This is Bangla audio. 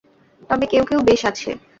তবে কেউ কেউ বেশ আছে।